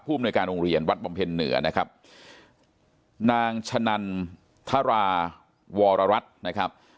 อำนวยการโรงเรียนวัดบำเพ็ญเหนือนะครับนางชะนันทราวรรัฐนะครับ